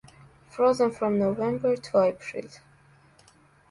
Frozen from November to April.